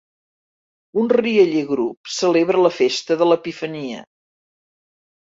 Un rialler grup celebra la festa de l'Epifania.